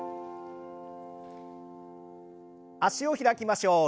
脚を開きましょう。